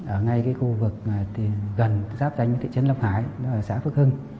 ở ngay cái khu vực gần giáp danh thị trấn long hải xã phước hưng